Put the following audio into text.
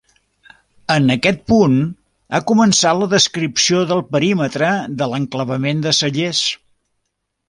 En aquest punt ha començat la descripció del perímetre de l'enclavament de Cellers.